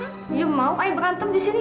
ayu mau ayu berantem di sini